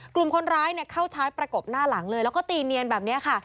กลุ่มคนร้ายเข้าชาร์จประกบหน้าหลังเลยแล้วก็ตีเนียนแบบนี้ค่ะ